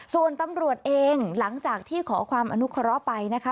ส่วนตำรวจเองหลังจากที่ขอความอนุเคราะห์ไปนะคะ